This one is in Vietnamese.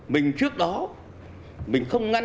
mình trước đó không có biện pháp ngăn chặn